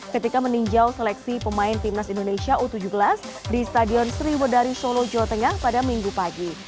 ketika meninjau seleksi pemain timnas indonesia u tujuh belas di stadion sriwedari solo jawa tengah pada minggu pagi